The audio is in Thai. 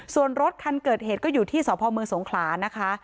ส่วนรถคันเกิดเหตุก็อยู่ที่สพเมืองสงขลานะคะ